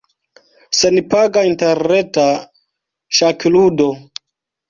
Senpaga interreta ŝakludo.